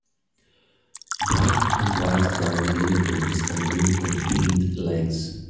Black and white dog in living room standing on hind legs.